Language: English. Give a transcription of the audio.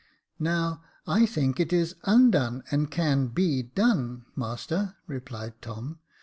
"Now, I think it is undone, and can be done, master," replied Tom.